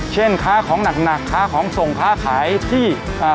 ค้าของหนักหนักค้าของส่งค้าขายที่อ่า